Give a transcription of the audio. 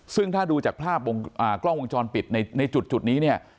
ซึ่งถ้าดูจากภาพวงกล้องวงจรปิดในจุดนี้เนี่ย